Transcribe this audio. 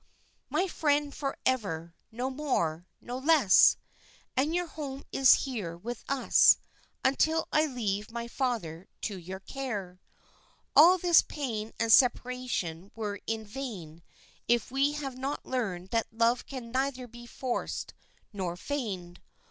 "My friend forever, no more, no less; and your home is here with us until I leave my father to your care. All this pain and separation were in vain if we have not learned that love can neither be forced nor feigned.